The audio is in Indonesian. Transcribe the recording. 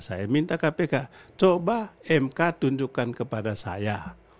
saya minta kpk coba mk tunjukkan kepada saya